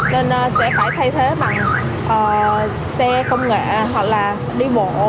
nên sẽ phải thay thế bằng xe công nghệ hoặc là đi bộ